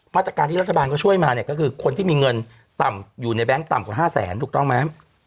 มาตรการที่รัฐบาลก็ช่วยมาเนี่ยก็คือคนที่มีเงินต่ำอยู่ในแบงค์ต่ำกว่า๕แสนถูกต้องไหม